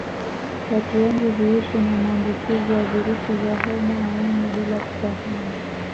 Watu wengi huishi na maambukizi ya virusi vya homa ya ini bila kufahamu